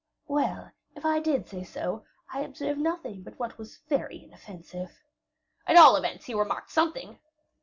"Well, if I did say so, I observed nothing but what was very inoffensive." "At all events, you remarked something."